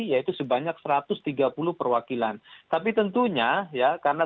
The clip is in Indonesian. kita tadi punya sekup pemilu yang stora